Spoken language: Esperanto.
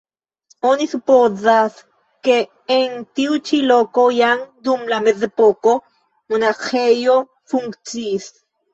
Oni supozas, ke en tiu ĉi loko jam dum la mezepoko monaĥejo funkciis.